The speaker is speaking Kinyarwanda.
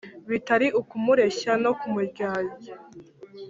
bitari ukumureshya no kumuryarya